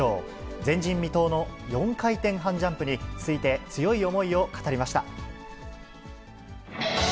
前人未到の４回転半ジャンプについて強い思いを語りました。